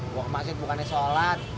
gue maksudnya bukannya sholat